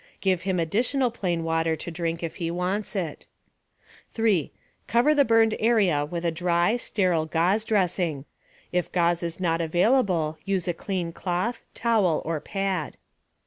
Give him additional plain water to drink if he wants it. 3. Cover the burned area with a dry, sterile gauze dressing. If gauze is not available, use a clean cloth, towel or pad.